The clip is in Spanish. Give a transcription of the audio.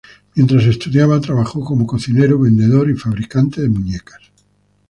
Mientras estudiaba, trabajó como cocinero, vendedor y fabricante de muñecas.